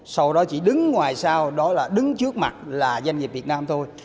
sau đó chỉ đứng ngoài sau đó là đứng trước mặt là doanh nghiệp việt nam thôi